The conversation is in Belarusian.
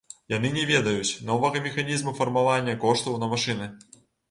Яны не ведаюць новага механізму фармавання коштаў на машыны.